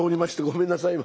ごめんなさい。